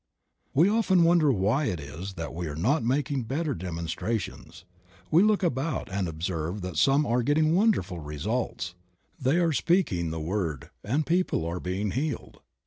We often wonder why it is that we are not making better demonstrations. We look about and observe that some are getting wonderful results, they are speaking the word and people are being healed.